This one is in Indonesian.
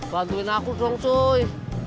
bantuin aku dong cuy